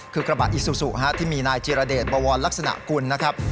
คือกระบะอิซูซูที่มีนายจิรเดชบวรลักษณะกุลนะครับ